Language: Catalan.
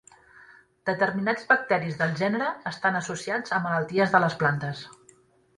Determinats bacteris del gènere estan associats a malalties de les plantes.